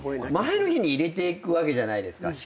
前の日に入れていくじゃないですかしっかり。